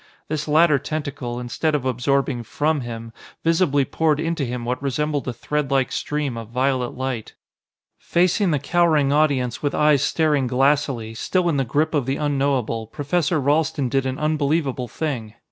This latter tentacle, instead of absorbing from him, visibly poured into him what resembled a threadlike stream of violet light. Facing the cowering audience with eyes staring glassily, still in the grip of the unknowable, Professor Ralston did an unbelievable thing.